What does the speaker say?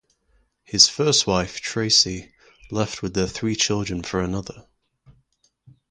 His first wife, Tracie, left with their three children for another.